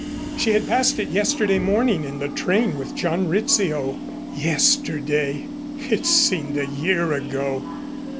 She had passed it yesterday morning in the train with John Rizzio. Yesterday! It seemed a year ago.